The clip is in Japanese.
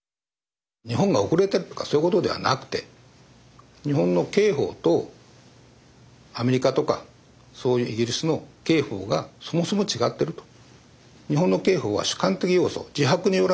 日本が遅れてるとかそういうことではなくて日本の刑法とアメリカとかそういうイギリスの刑法がそもそも違ってると。